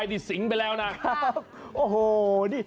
ทราบ